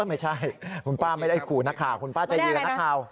ไม่ใช่คุณป้าไม่ได้ขู่นักข่าวคุณป้าใจดีกับนักข่าว